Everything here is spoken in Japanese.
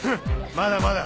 まだまだ。